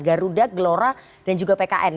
garuda gelora dan juga pkn